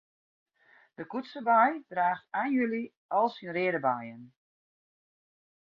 De koetsebei draacht ein july al syn reade beien.